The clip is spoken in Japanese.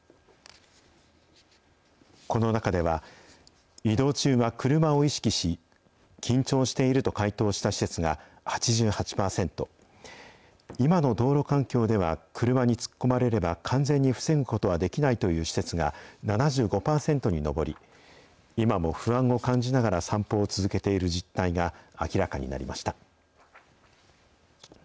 この中では、移動中は車を意識し、緊張していると回答した施設が８８％、今の道路環境では車に突っ込まれれば完全に防ぐことはできないという施設が７５％に上り、今も不安を感じながら散歩を続けている実態が明らかになりました。